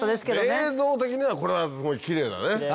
映像的にはこれはすごいキレイだね。